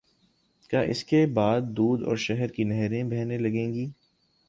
کیا اس کے بعد دودھ اور شہد کی نہریں بہنے لگیں گی؟